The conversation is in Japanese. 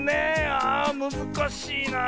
あむずかしいなあ。